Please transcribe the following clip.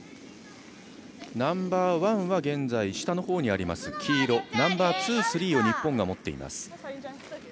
ナンバーワンは現在、下のほうにある黄色ナンバーツー、スリーを日本が持っています。